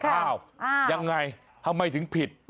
อ้าวยังไงทำไมถึงผิด